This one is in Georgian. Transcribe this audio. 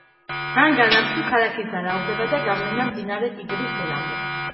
მან განავრცო ქალაქის ძალაუფლება და გავლენა მდინარე ტიგრის ველამდე.